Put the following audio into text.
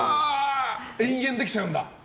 延々できちゃうんだ。